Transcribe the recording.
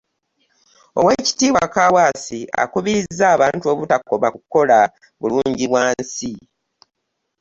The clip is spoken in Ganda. Oweekitiibwa Kaawaase akubirizza abantu obutakoma kukola bulungibwansi